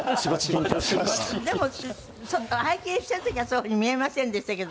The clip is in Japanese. でも拝見してる時にはそういう風に見えませんでしたけど。